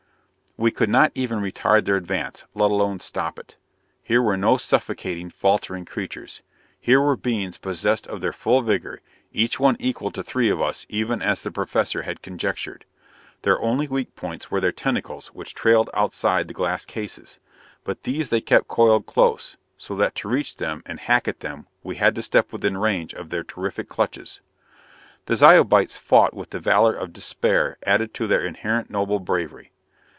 We could not even retard their advance, let alone stop it. Here were no suffocating, faltering creatures. Here were beings possessed of their full vigor, each one equal to three of us even as the Professor had conjectured. Their only weak points were their tentacles which trailed outside the glass cases. But these they kept coiled close, so that to reach them and hack at them we had to step within range of their terrific clutches. The Zyobites fought with the valor of despair added to their inherent noble bravery.